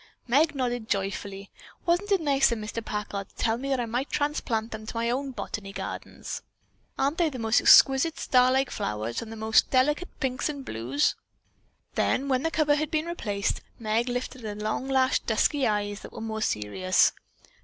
Meg nodded joyfully. "Wasn't it nice of Mr. Packard to tell me that I might transplant them to my own botany gardens. Aren't they the most exquisite star like flowers and the most delicate pinks and blues?" Then, when the cover had been replaced, Meg lifted long lashed, dusky eyes that were more serious.